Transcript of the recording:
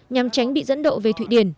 nhằm tránh bị dẫn độ về thụy điển